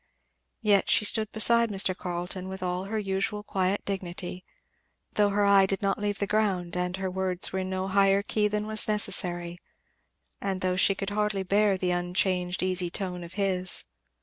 Yet she stood beside Mr. Carleton with all her usual quiet dignity, though her eye did not leave the ground and her words were in no higher key than was necessary, and though she could hardly bear the unchanged easy tone of his.